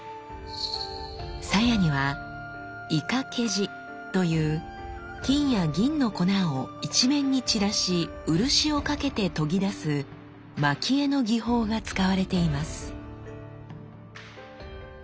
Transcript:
鞘には沃懸地という金や銀の粉を一面に散らし漆をかけて研ぎ出す蒔絵の技法が使われています。